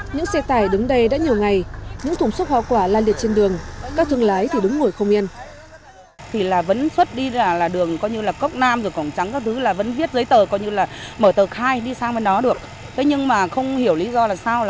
những xe tải đứng đây đã nhiều ngày những thùng xúc hoa quả lan liệt trên đường các thương lái thì đứng ngồi không yên